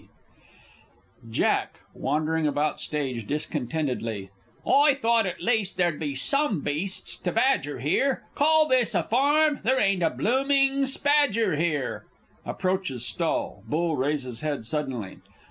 C. Jack (wandering about stage discontentedly). I thought at least there'd be some beasts to badger here! Call this a farm there ain't a blooming spadger here! [_Approaches stall Bull raises head suddenly.